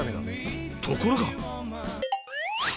ところが。